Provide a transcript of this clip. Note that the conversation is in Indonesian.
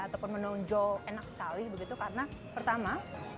ataupun menonjol enak sekali begitu karena pertama